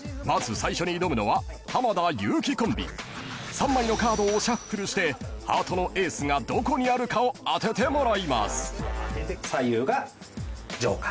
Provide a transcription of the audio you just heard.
［３枚のカードをシャッフルしてハートのエースがどこにあるかを当ててもらいます］